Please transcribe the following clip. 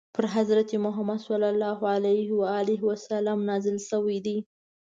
پر حضرت محمد ﷺ نازل شوی دی.